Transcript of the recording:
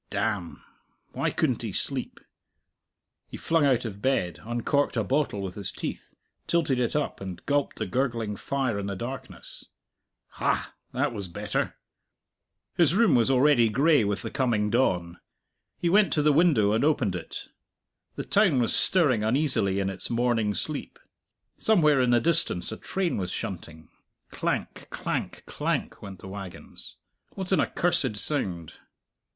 Damn! Why couldn't he sleep? He flung out of bed, uncorked a bottle with his teeth, tilted it up, and gulped the gurgling fire in the darkness. Ha! that was better. His room was already gray with the coming dawn. He went to the window and opened it. The town was stirring uneasily in its morning sleep. Somewhere in the distance a train was shunting; clank, clank, clank went the wagons. What an accursed sound!